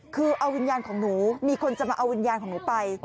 คือเอาวิญญาณของหนูมีคนจะมาเอาวิญญาณของหนูไป